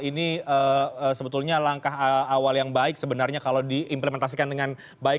ini sebetulnya langkah awal yang baik sebenarnya kalau diimplementasikan dengan baik